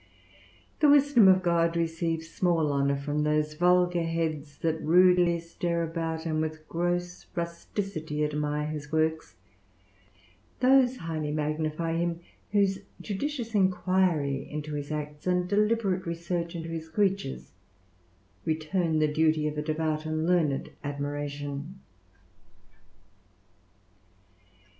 The wisdom of God receives small honor from those vulgar heads that rudely stare about, and with a gross rusticity admire his works: those highly magnify him whose judicious inquiry into his acts, and deliberate research into his creatures, return the duty of a devout and learned admiration.